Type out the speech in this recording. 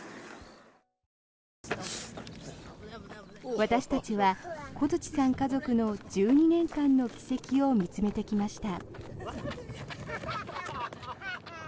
私たちは小鎚さん家族の１２年間の軌跡を見つめてきました。